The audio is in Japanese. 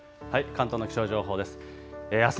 関東の気象情報です。